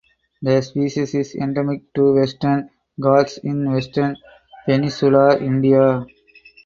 The species is endemic to Western Ghats in western peninsular India.